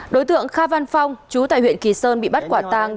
đối tượng kha văn phong chú tại huyện kỳ sơn bị bắt quả tàng